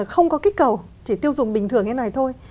không có kích cầu chỉ tiêu dùng bình thường như thế này thôi